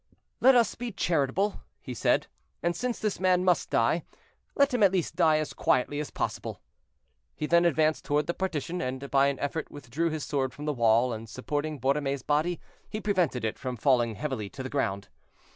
"Let us be charitable," he said; "and since this man must die, let him at least die as quietly as possible." He then advanced toward the partition, and by an effort withdrew his sword from the wall, and supporting Borromée's body, he prevented it from falling heavily to the ground.